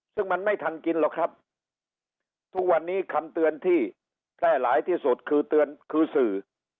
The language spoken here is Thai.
ซึ่งมันไม่ทันกินหรอกครับทุกวันนี้คำเตือนที่แพร่หลายที่สุดคือเตือนคือสื่อ